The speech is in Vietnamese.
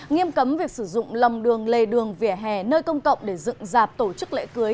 nghiêm cấm việc sử dụng lòng đường lề đường vỉa hè nơi công cộng để dựng dạp tổ chức lễ cưới